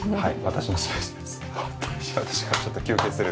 はい。